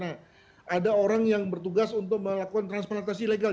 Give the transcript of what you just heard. nah ada orang yang bertugas untuk melakukan transparantasi legal